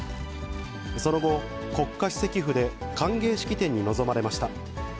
その後、国家主席府で歓迎式典に臨まれました。